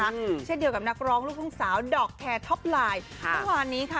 อืมเช่นเดียวกับนักร้องลูกทุ่งสาวดอกแคร์ท็อปไลน์ค่ะเมื่อวานนี้ค่ะ